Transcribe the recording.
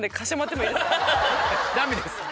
ダメです。